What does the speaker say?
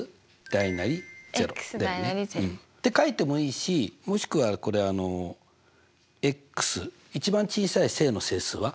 大なり０って書いてもいいしもしくはこれあの一番小さい正の整数は？